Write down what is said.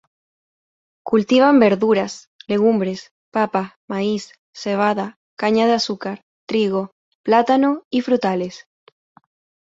Cultivan verduras, legumbres, papa, maíz, cebada, caña de azúcar, trigo, plátano y frutales.